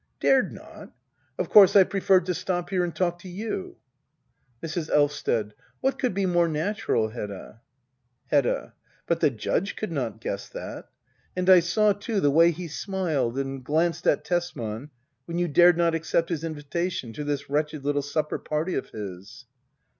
Dared not ? Of course I preferred to stop here and talk to y o u. Mrs. Elvsted. What could be more natural^ Hedda } Hedda. But the Judge could not guess that. And I saw, too, the way he smiled and glanced at Tesman when you dared not accept his invitation to this wretched little supper party of his.